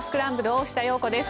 大下容子です。